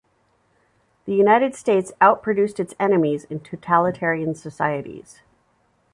The United States out-produced its enemies in totalitarian societies.